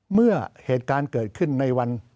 เมื่อเหตุการณ์เกิดขึ้นในวัน